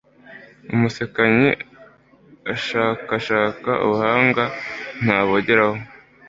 Umusekanyi ashakashaka ubuhanga ntabugeraho